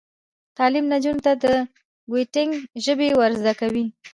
تعلیم نجونو ته د کوډینګ ژبې ور زده کوي.